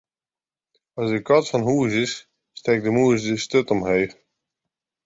As de kat fan hûs is, stekt de mûs de sturt omheech.